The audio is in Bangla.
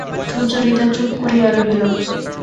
সুচরিতা চুপ করিয়া রহিল।